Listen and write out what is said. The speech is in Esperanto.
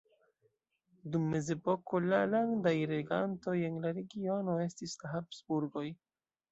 Dum mezepoko la landaj regantoj en la regiono estis la Habsburgoj.